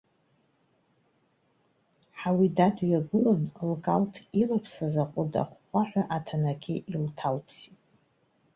Ҳауида дҩагылан, лкалҭ илаԥсаз аҟәыд ахәхәаҳәа аҭанақьы илҭалԥсеит.